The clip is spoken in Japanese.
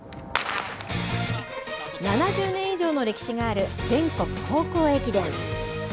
７０年以上の歴史がある全国高校駅伝。